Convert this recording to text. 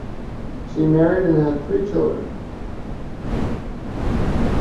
She married and had three children.